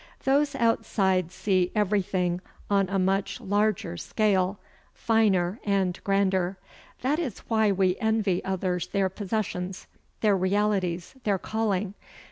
Those outside see everything on a much larger scale, finer, and grander. That is why we envy others their possessions, their realities, their calling.